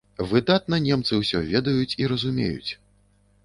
Выдатна немцы ўсё ведаюць і разумеюць.